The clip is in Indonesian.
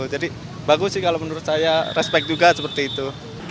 jadi bagus sih kalau menurut saya respek juga seperti itu